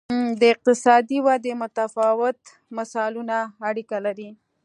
د اقتصادي ودې متفاوت مثالونه اړیکه لري.